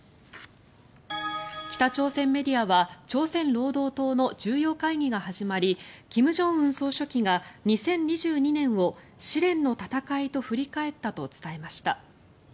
北朝鮮メディアは朝鮮労働党の重要会議が始まり金正恩総書記が２０２２年を試練の闘いと振り返ったと伝えました。